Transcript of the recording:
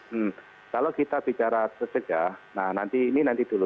hmm kalau kita bicara tercegah nah ini nanti dulu